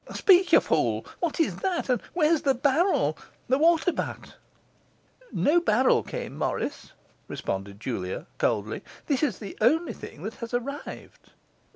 Speak, you fool! What is that? And where's the barrel the water butt?' 'No barrel came, Morris,' responded Julia coldly. 'This is the only thing that has arrived.